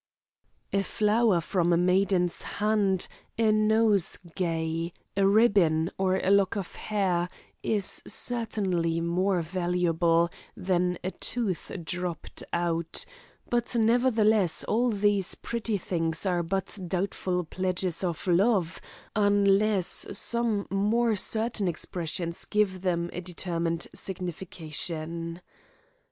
A flower from a maiden's hand, a nosegay, a ribbon, or a lock of hair, is certainly more valuable than a tooth dropped out, but nevertheless all these pretty things are but doubtful pledges of love, unless some more certain expressions gives them a determined signification.